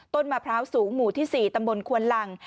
มะพร้าวสูงหมู่ที่๔ตำบลควนลัง